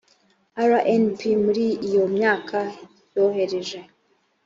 rnp muri iyo myaka yohereje